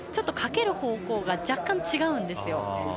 かける方向が若干違うんですよ。